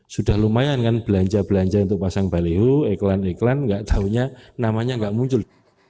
sudah lumayan kan belanja belanja untuk pasang baliho iklan iklan nggak tahunya namanya nggak muncul